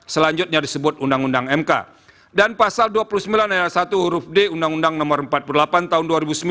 selanjutnya disebut undang undang mk dan pasal dua puluh sembilan ayat satu huruf d undang undang no empat puluh delapan tahun dua ribu sembilan